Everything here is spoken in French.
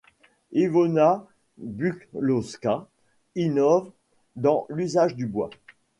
Iwona Buczkowska innove dans l'usage du bois.